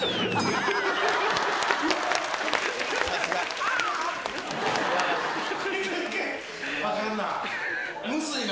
あかんな。